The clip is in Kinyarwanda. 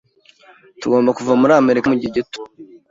Tugomba kuva muri Amerika mugihe gito.